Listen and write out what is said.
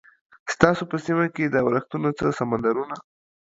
ستاسو په سیمه کې د ورښتونو څه سمندرونه؟